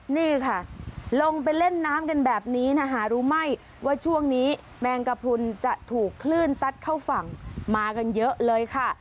นี่ค่ะลงไปเล่นน้ำกันแบบนี้นะคะรู้ไหมว่าช่วงนี้แมงกระพรุนจะถูกคลื่นซัดเข้าฝั่งมากันเยอะเลยค่ะ